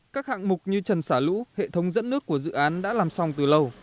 các hạng mục như trần xả lũ hệ thống dẫn nước của dự án đã làm xong từ lâu